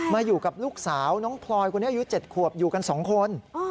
อยู่กับลูกสาวน้องพลอยคนนี้อายุ๗ขวบอยู่กัน๒คน